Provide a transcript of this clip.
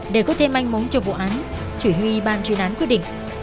để có thêm manh mối cho vụ án chủ yếu y ban truyền án quyết định